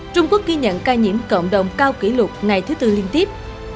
trung quốc ghi nhận ca nhiễm cộng đồng cao kỷ lục ngày thứ tư liên tiếp